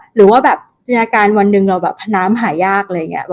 หรือว่าแบบในยาการวันหนึ่งเราน้ำหายาก